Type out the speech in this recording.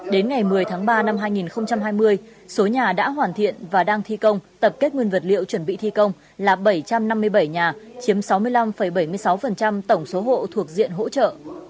đến ngày một mươi tháng ba năm hai nghìn hai mươi số nhà đã hoàn thiện và đang thi công tập kết nguyên vật liệu chuẩn bị thi công là bảy trăm năm mươi bảy nhà chiếm sáu mươi năm bảy mươi sáu tổng số hộ thuộc diện hỗ trợ